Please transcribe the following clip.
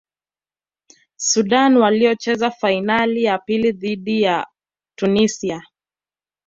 sudan waliocheza fainali ya pili dhidi ya tunisia